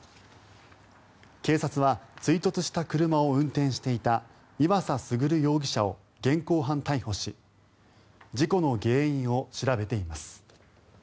警察は追突した車を運転していた岩佐駿容疑者を現行犯逮捕し事故の原因を調べています。